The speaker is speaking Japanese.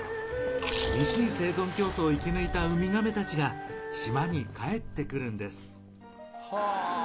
厳しい生存競争を生き抜いたウミガメたちが島に帰ってくるんです。